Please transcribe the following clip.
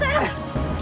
ya cekan ini juga